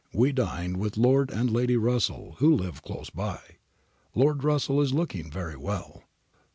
We dined with Lord and Lady Russell who live close by. Lord Russell is looking very well.